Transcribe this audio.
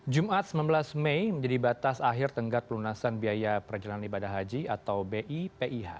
jumat sembilan belas mei menjadi batas akhir tenggak pelunasan biaya perjalanan ibadah haji atau bipih